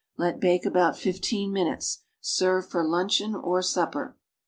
Let bake about fifteen minutes. Serve for luncheon or supper.